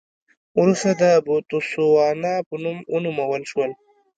وروسته د بوتسوانا په نوم ونومول شول.